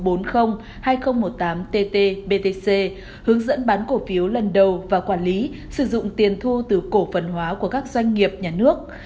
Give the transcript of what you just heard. bộ tài chính vừa ban hành thông tư số bốn mươi hai nghìn một mươi chín tt btc hướng dẫn bán cổ phiếu lần đầu và quản lý sử dụng tiền thu từ cổ phần hóa của các doanh nghiệp nhà nước